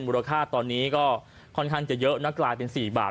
มูลค่าตอนนี้ก็ค่อนข้างจะเยอะนะกลายเป็น๔บาท